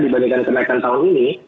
dibandingkan kenaikan tahun ini